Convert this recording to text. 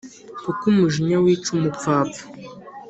Kuko umujinya wica umupfapfa